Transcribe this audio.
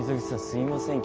すいません